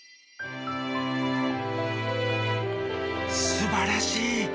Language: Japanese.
すばらしい。